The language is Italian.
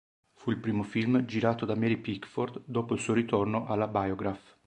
Fu il primo film girato da Mary Pickford dopo il suo ritorno alla Biograph.